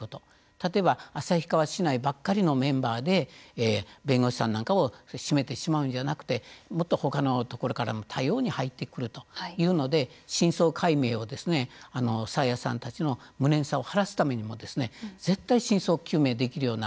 例えば、旭川市内ばかりのメンバーばかりで弁護士さんなんかを占めてしまうんじゃなくてもっとほかのところからも多様に入ってくるということで真相解明を爽彩さんたちの無念さを晴らすためにも絶対真相究明できるような